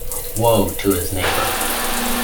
Woe to his neighbor!